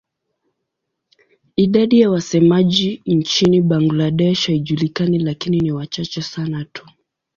Idadi ya wasemaji nchini Bangladesh haijulikani lakini ni wachache sana tu.